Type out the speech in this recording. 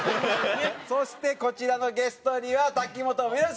そしてこちらのゲストには瀧本美織さん。